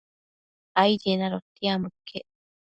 Aidien adotiambo iquec